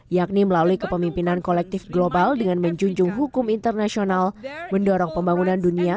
yakni melalui kepemimpinan kolektif global dengan menjunjung hukum internasional mendorong pembangunan dunia